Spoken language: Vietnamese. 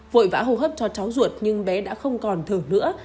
vội vã hồ hấp cho cháu ruột nhưng bé đã không còn thở nữa